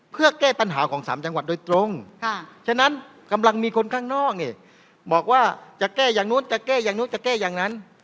เพื่อแก้ปัญหาของสามจังหวัดโดยตรง